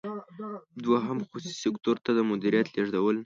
دوهم: خصوصي سکتور ته د مدیریت لیږدول.